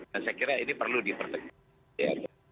saya kira ini perlu dipertimbangkan